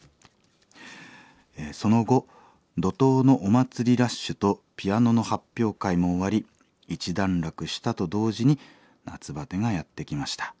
その後怒とうのお祭りラッシュとピアノの発表会も終わり一段落したと同時に夏バテがやって来ました。